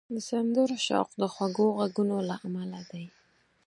د سندرو شوق د خوږو غږونو له امله دی